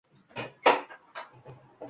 Udir mening eng yaqin dustim